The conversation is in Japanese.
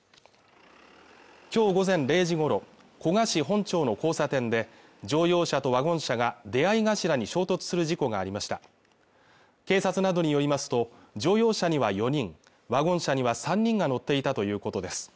今日午前０時ごろ古河市本町の交差点で乗用車とワゴン車が出会い頭に衝突する事故がありました警察などによりますと乗用車には４人ワゴン車には３人が乗っていたということです